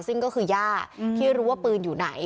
ซึ่งก็คือย่าที่รู้ว่าปืนอยู่ไหน